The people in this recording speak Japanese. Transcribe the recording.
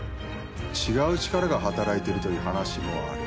違う力が働いているという話もある。